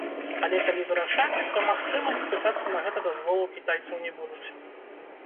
Але калі вырашаць, то, магчыма, і пытацца на гэта дазволу ў кітайцаў не будуць.